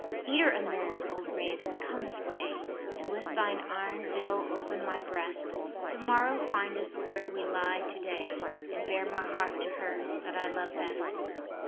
"Eater of men, old raven, come this way, And with thine iron bill open my breast: To morrow find us where we lie to day, And bear my heart to her that I love best.